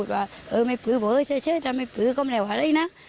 ว่าไม่ฟื้อช่วยถ้าไม่ฟื้อก็ไม่เหล่าอะไรนะ